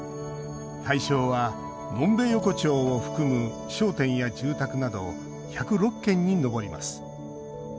対象は呑んべ横丁を含む商店や住宅など１０６軒に上ります。